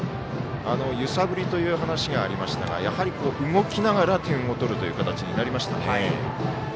揺さぶりという話がありましたがやはり動きながら点を取るという形になりましたね。